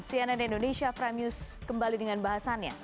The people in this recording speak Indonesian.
cnn indonesia prime news kembali dengan bahasannya